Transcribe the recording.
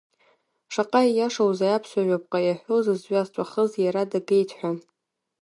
Шаҟа ииашоузеи аԥсуа жәаԥҟа иаҳәо, зызҩа зҵәахыз иара дагеит ҳәа.